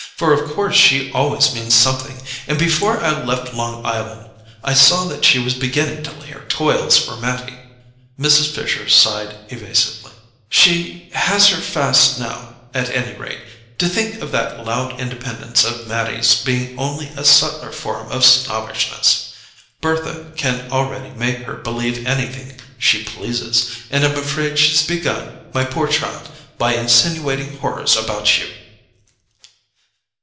"For of course she always means something; and before I left Long Island I saw that she was beginning to lay her toils for Mattie." Mrs. Fisher sighed evasively. "She has her fast now, at any rate. To think of that loud independence of Mattie's being only a subtler form of snobbishness! Bertha can already make her believe anything she pleases—and I'm afraid she's begun, my poor child, by insinuating horrors about you."